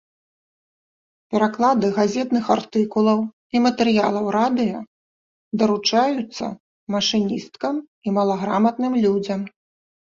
Пераклады газетных артыкулаў і матэрыялаў радыё даручаюцца машыністкам і малаграматным людзям.